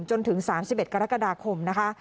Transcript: จนถึง๓๑กรกฎาคมนะคะ